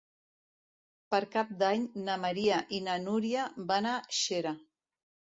Per Cap d'Any na Maria i na Núria van a Xera.